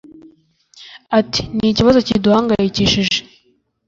Ati “ ni ikibazo kiduhangayikishije